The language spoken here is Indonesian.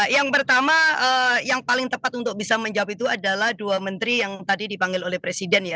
yang pertama yang paling tepat untuk bisa menjawab itu adalah dua menteri yang tadi dipanggil oleh presiden ya